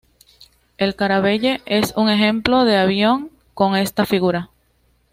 El Caravelle es un ejemplo de avión con esta configuración.